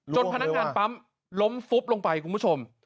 พนักงานปั๊มล้มฟุบลงไปคุณผู้ชม